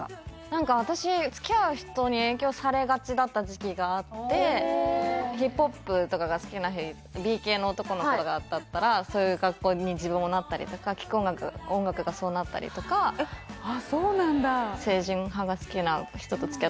何か私つきあう人に影響されがちだった時期があってヒップホップとかが好きなＢ系の男の子だったらそういう格好に自分もなったりとか聴く音楽がそうなったりとかあっそうなんだ